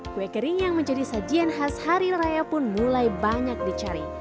kue kering yang menjadi sajian khas hari raya pun mulai banyak dicari